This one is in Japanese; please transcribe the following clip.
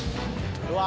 うわ。